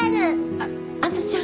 あっ杏ちゃん。